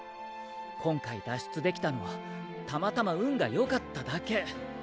今回脱出できたのはたまたま運がよかっただけ。